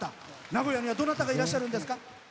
名古屋には、どなたかいらっしゃるんですか？